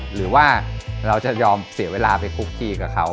หรือว่าเราจะยอมเสียเวลาไปคุกคีกับเขา